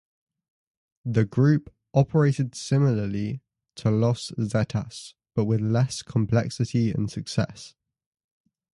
The group operated similarly to Los Zetas, but with less complexity and success.